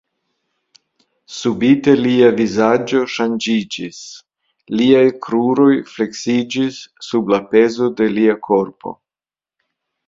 Subite lia vizaĝo ŝanĝiĝis; liaj kruroj fleksiĝis sub la pezo de lia korpo.